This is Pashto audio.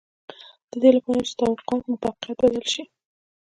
د دې لپاره چې توقعات مو په حقيقت بدل شي.